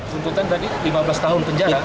tuntutan tadi lima belas tahun penjara